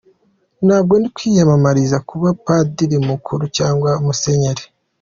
Ntabwo ndi kwiyamamariza kuba Padiri mukuru cyangwa Musenyeri !